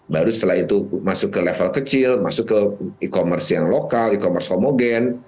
baru setelah itu masuk ke level kecil masuk ke e commerce yang lokal e commerce homogen